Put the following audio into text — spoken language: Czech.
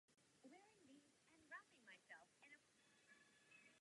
V demokracii je hlasování běžně užívaným postupem.